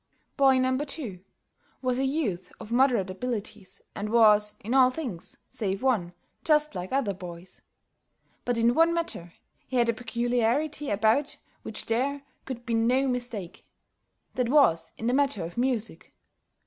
Boy No. 2 was a youth of moderate abilities, and was, in all things, save one, just like other boys. But, in one matter, he had a peculiarity about which there could be no mistake. That was in the matter of music.